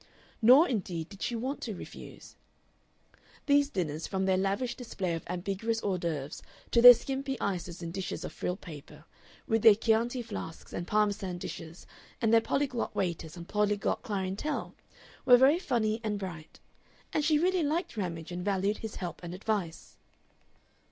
Nor, indeed, did she want to refuse. These dinners, from their lavish display of ambiguous hors d'oeuvre to their skimpy ices in dishes of frilled paper, with their Chianti flasks and Parmesan dishes and their polyglot waiters and polyglot clientele, were very funny and bright; and she really liked Ramage, and valued his help and advice.